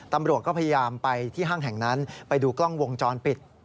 ตำรวจก็พยายามไปที่ห้างแห่งนั้นไปดูกล้องวงจรปิด